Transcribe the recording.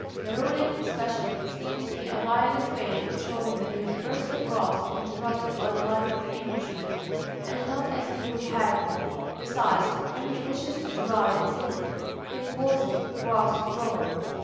The rolling, especially, seems to be a violent way of showing that the universal grass interrupted by the life of the Englishman is not as he would have it. Besides, when he wishes to deride a city, he calls it grass grown.